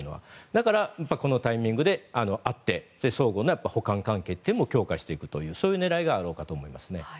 だから、このタイミングで会って相互の補完関係を強化していくという狙いがあろうかと思いますね。